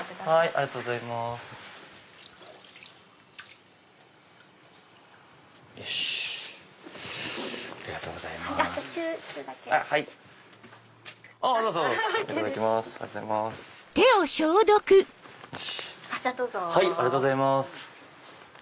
ありがとうございます。